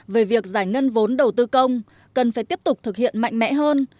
về việc giải ngân vốn đầu tư công cần phải tiếp tục thực hiện mạnh mẽ hơn